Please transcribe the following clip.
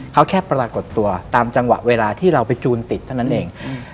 เขาแค่ปรากฏตัวตามจังหวะเวลาที่เราไปจูนติดเท่านั้นเอง